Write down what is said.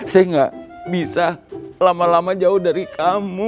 saya gak bisa lama lama jauh dari kamu